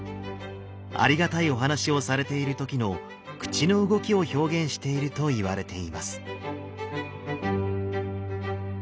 ありがたいお話をされている時の口の動きを表現しているといわれています。